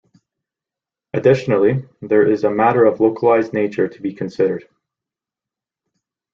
Additionally, there is a matter of localized nature to be considered.